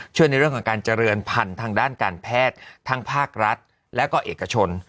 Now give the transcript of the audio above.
ในเรื่องของการเจริญพันธุ์ทางด้านการแพทย์ทั้งภาครัฐและก็เอกชน